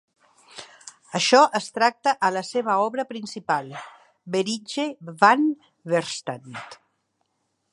Això es tracta a la seva obra principal, Berigte van weerstand.